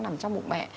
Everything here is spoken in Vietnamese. nằm trong bụng mẹ